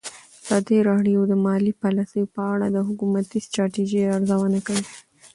ازادي راډیو د مالي پالیسي په اړه د حکومتي ستراتیژۍ ارزونه کړې.